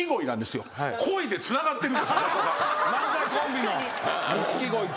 漫才コンビの錦鯉と。